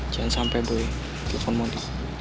jangan sampai boy telepon mondi